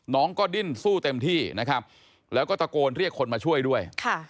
น้องก็ดิ้นสู้เต็มที่นะครับแล้วก็ตะโกนเรียกคนมาช่วยด้วย